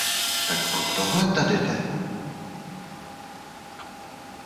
Tak o tohle tady jde!